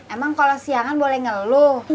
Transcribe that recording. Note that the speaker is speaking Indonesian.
emang kalau siangan boleh ngeluh